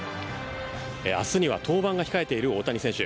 明日には登板が控えている大谷選手。